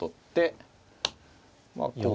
まあこう。